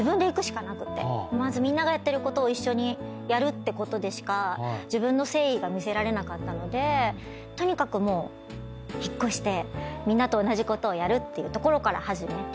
まずみんながやってることを一緒にやるってことでしか自分の誠意が見せられなかったのでとにかくもう引っ越してみんなと同じことをやるっていうところから始めて。